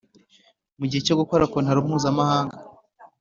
Mu gihe cyo gukora kontaro mpuzamahanga